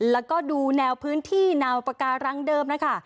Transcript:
แล้วก็ดูแนวพื้นที่แนวปาการังเดิมนะคะ